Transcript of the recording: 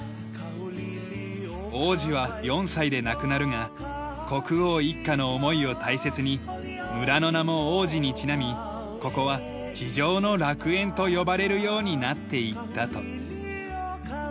王子は４歳で亡くなるが国王一家の思いを大切に村の名も王子にちなみここは地上の楽園と呼ばれるようになっていったと。